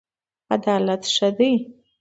عدالت ښه دی.